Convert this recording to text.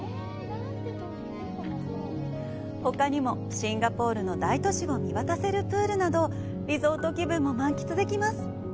ほかにも、シンガポールの大都市を見渡せるプールなど、リゾート気分も満喫できます。